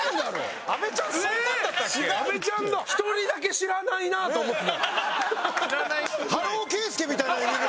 １人だけ知らないなと思ってた。